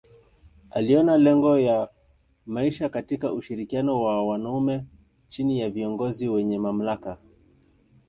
Aliona lengo ya maisha katika ushirikiano wa wanaume chini ya viongozi wenye mamlaka.